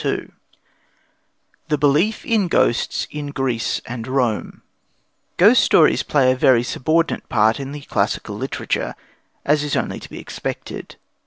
2. 19.] II THE BELIEF IN GHOSTS IN GREECE AND ROME Ghost stories play a very subordinate part in classical literature, as is only to be expected.